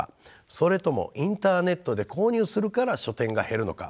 それともインターネットで購入するから書店が減るのか。